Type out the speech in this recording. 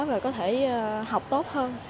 và có thể học tốt hơn